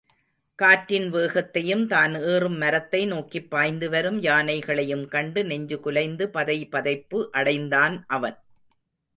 காற்றின் வேகத்தையும் தான் ஏறும் மரத்தை நோக்கிப் பாய்ந்தோடிவரும் யானைகளையும் கண்டு நெஞ்சு குலைந்து பதைபதைப்பு அடைந்தான் அவன்.